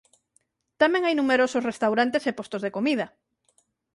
Tamén hai numerosos restaurantes e postos de comida.